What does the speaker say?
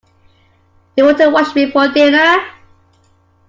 Do you want to wash before dinner?